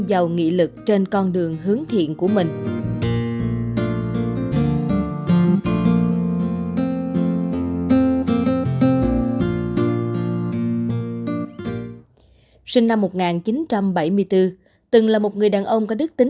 xin chào và hẹn gặp lại